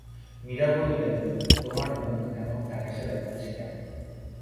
মীরা বললেন, তোমার মুখ এমন ফ্যাকাসে দেখাচ্ছে কেন?